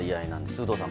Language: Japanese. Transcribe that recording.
有働さん